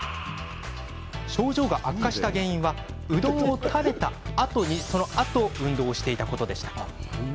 症状が悪化した原因はうどんを食べたあと運動をしていたことでした。